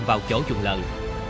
vào chỗ dùng lận